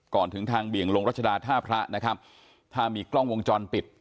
ถึงทางเบี่ยงลงรัชดาท่าพระนะครับถ้ามีกล้องวงจรปิด